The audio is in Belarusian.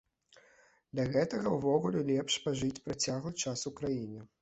Для гэтага ўвогуле лепш пажыць працяглы час у краіне.